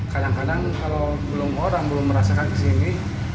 kadang kadang kalau orang belum merasakan kesini